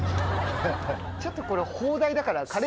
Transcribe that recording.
ちょっとこれ砲台だから。